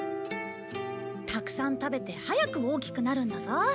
たくさん食べて早く大きくなるんだぞ。